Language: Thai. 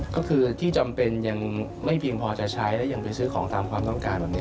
ก็คือที่จำเป็นยังไม่เพียงพอจะใช้และยังไปซื้อของตามความต้องการแบบนี้